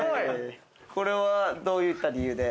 これはどういった理由で？